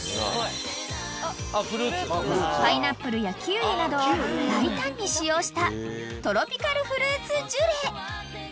［パイナップルやキウイなどを大胆に使用したトロピカルフルーツジュレ］